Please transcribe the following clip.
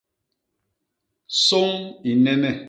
Sôñ i nnene.